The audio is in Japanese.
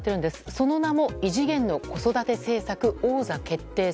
その名も異次元の子育て政策王座決定戦。